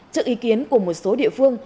trước ý kiến của một số địa phương